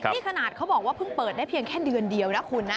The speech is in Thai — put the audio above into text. นี่ขนาดเขาบอกว่าเพิ่งเปิดได้เพียงแค่เดือนเดียวนะคุณนะ